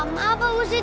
salah paham apa bu siti